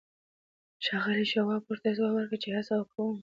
ښاغلي شواب ورته ځواب ورکړ چې هڅه کوم